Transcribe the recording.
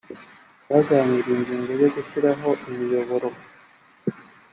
baganiriye ingingo yo gushyiraho imiyoboro.